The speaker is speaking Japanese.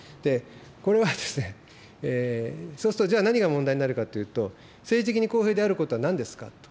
これは、そうするとじゃあ、何が問題になるかというと、政治的に公平であることはなんですかと。